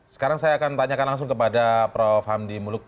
sekarang saya akan tanyakan langsung kepada prof hamdi muluk